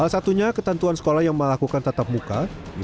salah satunya ketentuan sekolah yang melakukan tetap buka